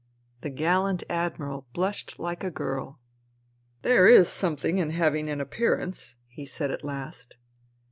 The gallant Admiral blushed like a girl. '* There is something in having an appearance," he said at last.